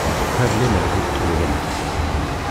Xir lemmer ur d-tlulemt.